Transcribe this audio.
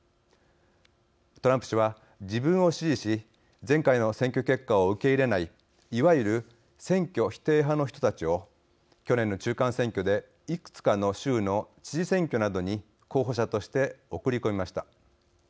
トランプ氏は、自分を支持し前回の選挙結果を受け入れないいわゆる選挙否定派の人たちを去年の中間選挙でいくつかの州の知事選挙などに候補者として送り込みました。